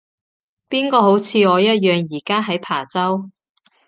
邊個好似我一樣而家喺琶洲